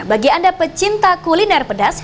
bagi anda pecinta kuliner pedas